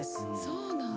そうなんだ。